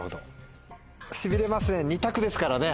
しびれますね２択ですからね。